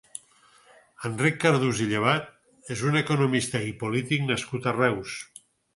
Enric Cardús i Llevat és un economista i polític nascut a Reus.